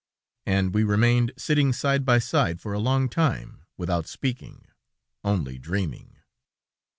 And we remained sitting side by side for a long time without speaking, only dreaming!